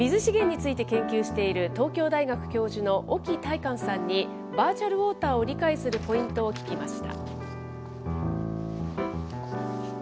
水資源について研究している東京大学教授の沖大幹さんに、バーチャルウォーターを理解するポイントを聞きました。